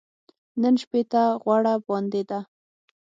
نن شپې ته غوړه باندې ده .